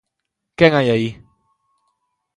Quen hai aí?